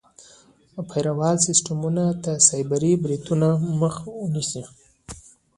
فایروال سیسټمونه د سایبري بریدونو مخه نیسي.